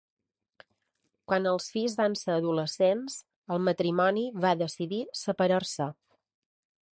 Quan els fills van ser adolescents, el matrimoni va decidir separar-se.